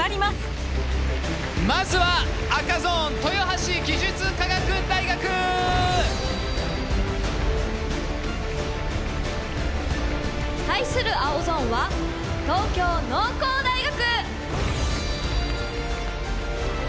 まずは赤ゾーン豊橋技術科学大学！対する青ゾーンは東京農工大学！